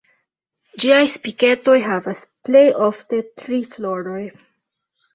Ĝiaj Spiketoj havas plej ofte tri floroj.